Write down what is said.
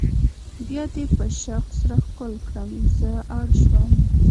بیا دې په شوق سره ښکل کړم زه اړ شوم.